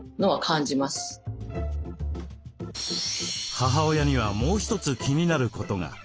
母親にはもう一つ気になることが。